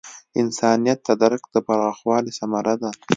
انسانیت د درک د پراخوالي ثمره ده.